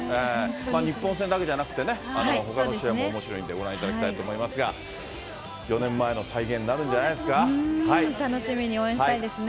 日本戦だけじゃなくってね、ほかの試合もおもしろいんでご覧いただきたいと思いますが、４年楽しみに応援したいですね。